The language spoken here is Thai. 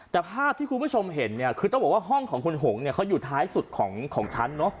แต่ภาพที่คุณผู้ชมเห็นคือต้องบอกว่าห้องของคุณหงค์เขาอยู่ท้ายสุดของชั้น